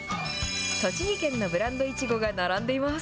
栃木県のブランドいちごが並んでいます。